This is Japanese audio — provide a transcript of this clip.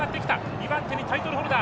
２番手にタイトルホルダー